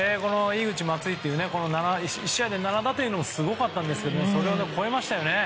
井口、松井の１試合で７打点もすごかったんですけどそれを超えましたよね。